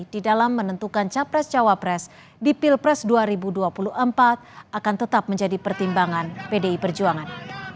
di dalam menentukan capres cawapres di pilpres dua ribu dua puluh empat akan tetap menjadi pertimbangan pdi perjuangan